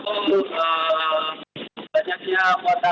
kronologi adalah besarnya opat yang terjadi di selera selayar